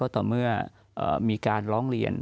ต่อเมื่อมีการร้องเรียน